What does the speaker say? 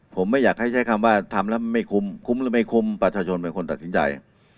ผมไม่อยากให้ใช้คำว่าทำแล้วไม่คุ้มคุ้มหรือไม่คุ้มประชาชนเป็นคนตัดสินใจ